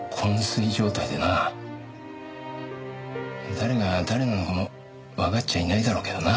誰が誰なのかもわかっちゃいないだろうけどな。